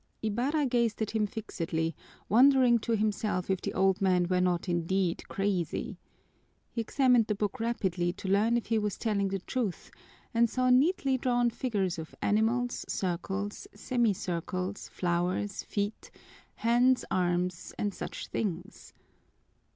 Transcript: Ibarra gazed at him fixedly, wondering to himself if the old man were not indeed crazy. He examined the book rapidly to learn if he was telling the truth and saw neatly drawn figures of animals, circles, semicircles, flowers, feet, hands, arms, and such things.